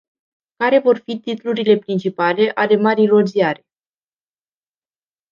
Care vor fi titlurile principale ale marilor ziare?